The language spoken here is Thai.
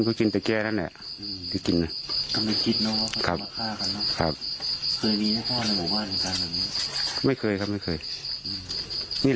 ก็ทีมาเป็นแก้แหละแกได้กินค่ะครับไม่เคยไม่เคยไม่ค่อยนี่